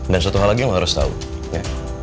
dan satu hal lagi yang lo harus tau ya